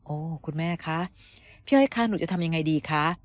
คุณแม่คะพี่อ้อยคะหนูจะทำยังไงดีคะ